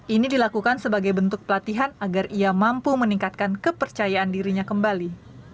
ini dilakukan sebagai bentuk pelatihan agar ia mampu meningkatkan kepercayaan dirinya kembali